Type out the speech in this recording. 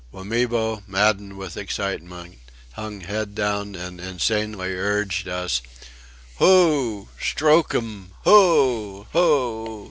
Wamibo, maddened with excitement, hung head down and insanely urged us: "Hoo! Strook'im! Hoo! Hoo!"